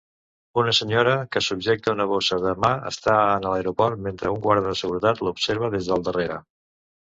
Una senyora que subjecte una bossa de mà està en el aeroport mentre un guarda de seguretat la observa des del darrere.